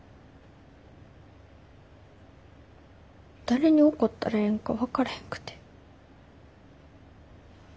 誰に怒ったらええんか分からへんくて。